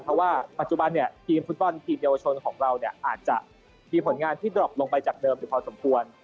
เพราะว่าปัจจุบันเนี่ยทีมฟุตบอลทีมเยาวชนของเราเนี่ยอาจจะมีผลงานที่ดรอกลงไปจากเดิมอยู่พอสมควร